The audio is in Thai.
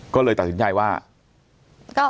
ก็เลยตัดสินใจว่า